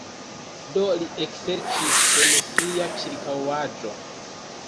Do li ekserĉis en sia ĉirkaŭaĵo.